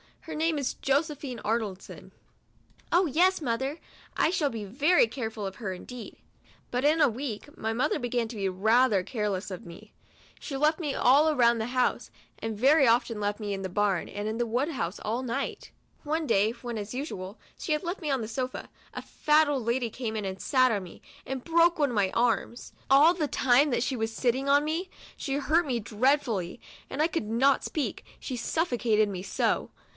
Her name is Josephine Arnoldson." " Oh yes, mother, I shall be very careful of her indeed." But in a week my little 78 MEMOIRS OF A mother began to be rather careless of me ; she left me all around the house, and very often left me in the barn and wood house all night. One day, when, as usual, she had left me on the sofa, a fat old lady came in and sat on me, and broke one of my arms. All the time that she "v^as sitting on me, she hurt me dreadfully, and I could not speak, she suffocated me so.